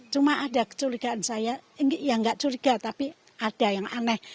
cuma ada kecurigaan saya ya nggak curiga tapi ada yang aneh